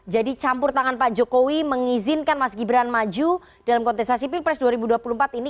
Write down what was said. jadi campur tangan pak jokowi mengizinkan mas gibran maju dalam kontestasi pilpres dua ribu dua puluh empat ini